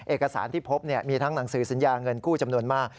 เอกสารที่พบมีทั้งหนังสือสัญญาเงินกู้จำนวนมาก